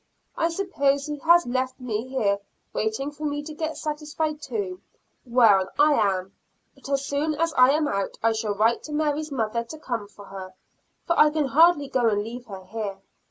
I suppose he has left me here waiting for me to get satisfied too; well, I am, but as soon as I am out I shall write to Mary's mother to come for her, for I can hardly go and leave her here.